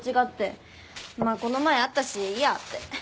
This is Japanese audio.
まあこの前会ったしいいやって。